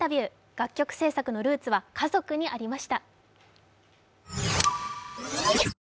楽曲制作のルーツは家族にありました。